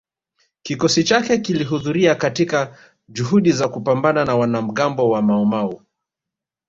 kikosi chake kilihudhuria katika juhudi za kupambana na wanamgambo wa Maumau